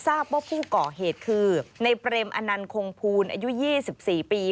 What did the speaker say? ทราบว่าผู้ก่อเหตุคือในเปรมอนันต์คงภูลอายุ๒๔ปี